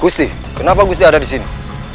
gusti kenapa gusti ada disini